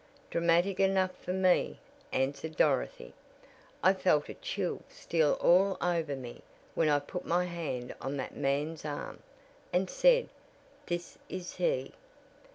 "Dramatic enough for me," answered Dorothy. "I felt a chill steal all over me when I put my hand on that man's arm, and said, 'This is he!'